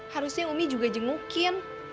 harusnya umi juga jengukin